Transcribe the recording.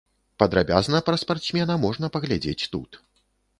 Падрабязна пра спартсмена можна паглядзець тут.